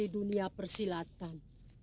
di dunia persilatan